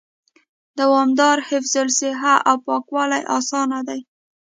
دوامدار حفظ الصحه او پاکوالي آسانه دي